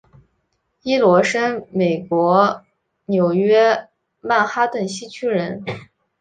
伊罗生美国纽约曼哈顿西区人。